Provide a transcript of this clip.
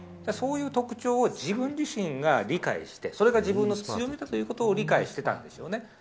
そういう特徴を自分自身が理解して、それが自分の強みだということを理解してたんでしょうね。